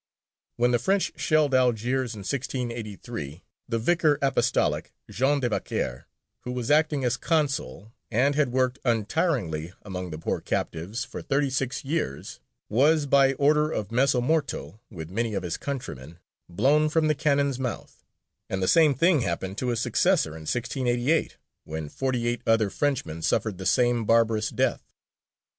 When the French shelled Algiers in 1683, the Vicar Apostolic, Jean de Vacher, who was acting as consul, and had worked untiringly among the poor captives for thirty six years, was, by order of Mezzomorto, with many of his countrymen, blown from the cannon's mouth; and the same thing happened to his successor in 1688, when forty eight other Frenchmen suffered the same barbarous death.